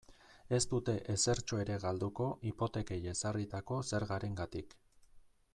Ez dute ezertxo ere galduko hipotekei ezarritako zergarengatik.